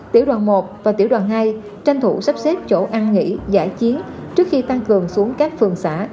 tiểu đoàn một và tiểu đoàn hai tranh thủ sắp xếp chỗ ăn nghỉ giải chiến trước khi tăng cường xuống các phường xã